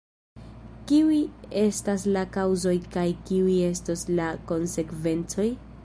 Kiuj estas la kaŭzoj kaj kiuj estos la konsekvencoj?